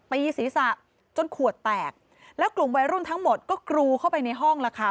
ตีศีรษะจนขวดแตกแล้วกลุ่มวัยรุ่นทั้งหมดก็กรูเข้าไปในห้องแล้วค่ะ